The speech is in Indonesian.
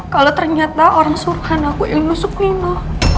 kalau ternyata orang suruhan aku ilusuk nino